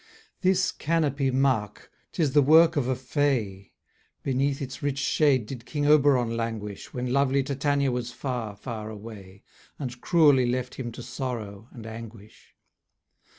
This canopy mark: 'tis the work of a fay; Beneath its rich shade did King Oberon languish, When lovely Titania was far, far away, And cruelly left him to sorrow, and anguish.